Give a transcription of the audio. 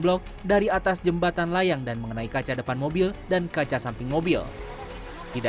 blok dari atas jembatan layang dan mengenai kaca depan mobil dan kaca samping mobil tidak